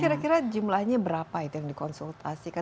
kira kira jumlahnya berapa itu yang dikonsultasikan